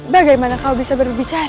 bagaimana kau bisa berbicara